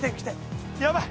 やばい！